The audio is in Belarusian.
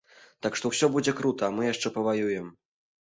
Так што ўсё будзе крута, а мы яшчэ паваюем!